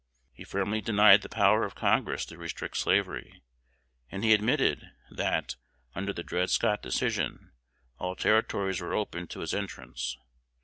He firmly denied the power of Congress to restrict slavery; and he admitted, that, under the Dred Scott Decision, all Territories were open to its entrance.